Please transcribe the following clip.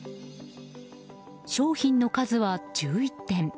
商品の数は１１点。